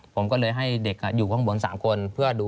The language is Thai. ผมก็เลยให้เด็กอยู่ข้างบน๓คน